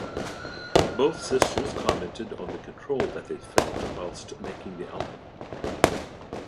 Both sisters commented on the control that they felt whilst making the album.